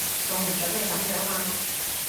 我唔準你噉樣啊